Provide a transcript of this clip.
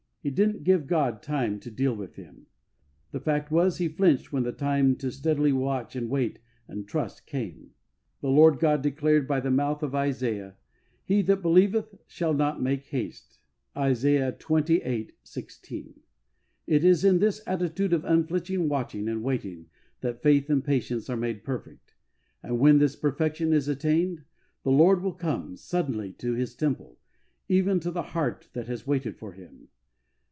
He didn't give God time to don't flinch. 93 deal with him." The fact was, he flinched when the time to steadily watch and wait and trust came. The Lord God declared by the mouth of Isaiah, " He that believeth shall not make haste" {Isa, xxviii. i6). It is in this attitude of unflinching watching and waiting that faith and patience are made perfect; and when this perfection is attained, the Lord will come suddenly to His temple, even to the heart that has waited for Him.